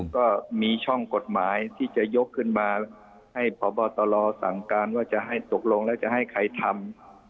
ก็มีช่องกฎหมายที่จะยกขึ้นมาให้พบตรสั่งการว่าจะให้ตกลงแล้วจะให้ใครทำ